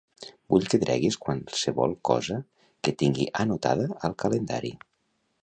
Vull que treguis qualsevol cosa que tingui anotada al calendari.